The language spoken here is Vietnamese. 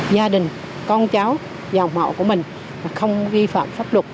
gia đình con cháu dòng họ của mình không vi phạm pháp luật